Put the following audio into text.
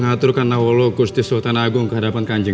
hamba mengaturkan nahwolo gusti sultan agung ke hadapan kanjeng